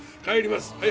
帰ります。